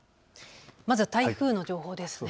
まず台風の情報です。